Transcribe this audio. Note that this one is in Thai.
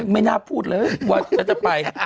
ไม่น่าพูดเลยว่าฉันจะไป